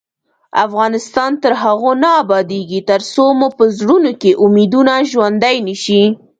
افغانستان تر هغو نه ابادیږي، ترڅو مو په زړونو کې امیدونه ژوندۍ نشي.